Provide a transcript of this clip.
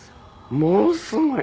ものすごい。